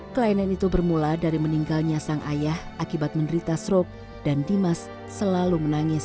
kelainan itu bermula dari meninggalnya sang ayah akibat menderita stroke dan dimas selalu menangis